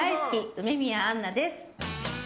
梅宮アンナです。